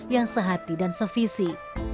yang sehati dan sevisi